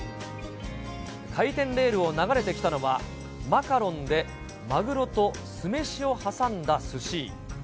回転レールを流れてきたのは、マカロンでマグロと酢飯を挟んだすし。